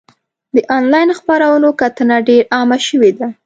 د انلاین خپرونو کتنه ډېر عامه شوې ده.